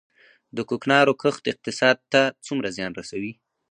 د کوکنارو کښت اقتصاد ته څومره زیان رسوي؟